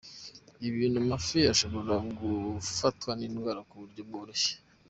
Ibi bituma amafi ashobora gufatwa n’indwara ku buryo bworoshye.